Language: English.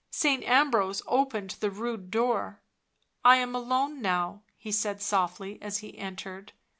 Saint Ambrose opened the rude door. <( I am alone now," he said softly, as he entered.